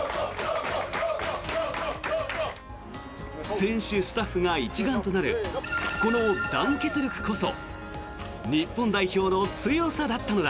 選手、スタッフが一丸となるこの団結力こそ日本代表の強さだったのだ。